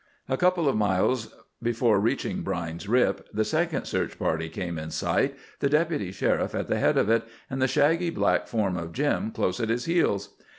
A couple of miles before reaching Brine's Rip, the second search party came in sight, the Deputy Sheriff at the head of it and the shaggy black form of Jim close at his heels.